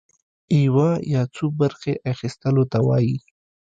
يوه يا څو برخي اخيستلو ته وايي.